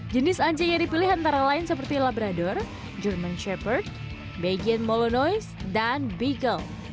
jenis anjing yang dipilih antara lain seperti labrador german shepherd bagian molonoise dan beagle